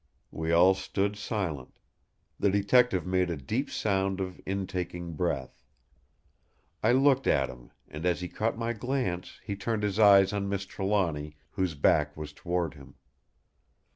We all stood silent. The Detective made a deep sound of in taking breath. I looked at him, and as he caught my glance he turned his eyes on Miss Trelawny whose back was toward him.